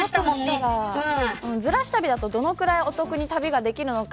ずらし旅だと、どれぐらいお得に旅ができるのか。